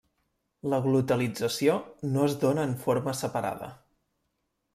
La glotalització no es dóna en forma separada.